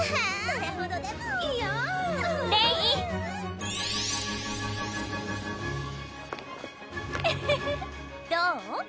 それほどでもいやんレイウフフどう？